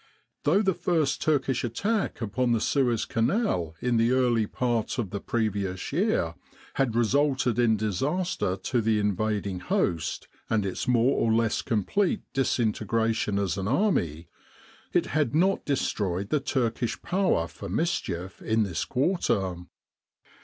70 Desert Warfare Though the first Turkish attack upon the Suez Canal in the early part of the previous year had resulted in disaster to the invading host and its more or less complete disintegration as an army, it had not destroyed the Turkish power for mischief in this quarter.